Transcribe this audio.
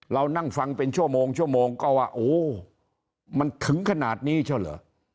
เรานั่งฟังเป็นชั่วโมงชั่วโมงก็ว่าโอ้มันถึงขนาดนี้เช่าเหรอ